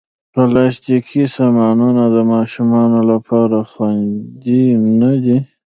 پلاستيکي سامانونه د ماشومانو لپاره خوندې نه دي.